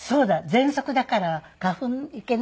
ぜんそくだから花粉いけないんだ。